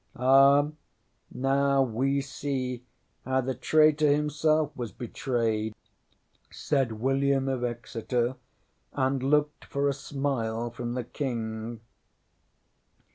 ŌĆśŌĆ£Ah, now we see how the traitor himself was betrayed! ŌĆØ said William of Exeter, and looked for a smile from the King.